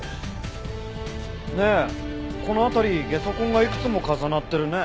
ねえこの辺りゲソ痕がいくつも重なってるね。